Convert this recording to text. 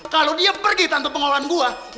kalau dia pergi tanpa pengolahan gue